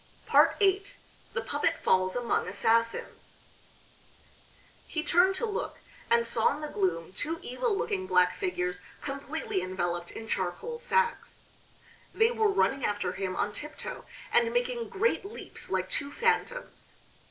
VIII THE PUPPET FALLS AMONG ASSASSINS He turned to look, and saw in the gloom two evil looking black figures completely enveloped in charcoal sacks. They were running after him on tiptoe, and making great leaps like two phantoms.